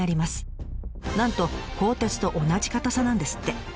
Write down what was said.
なんと鋼鉄と同じ硬さなんですって。